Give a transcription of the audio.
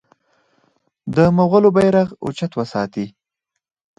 د مغولو بیرغ اوچت وساتي.